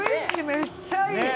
めっちゃいい